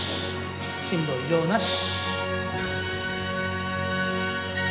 進路異常なし！